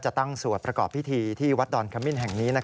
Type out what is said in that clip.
ตั้งสวดประกอบพิธีที่วัดดอนขมิ้นแห่งนี้